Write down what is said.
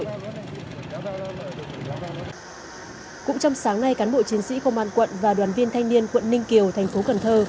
cũng trong sáng nay cán bộ chiến sĩ công an quận và đoàn viên thanh niên quận ninh kiều thành phố cần thơ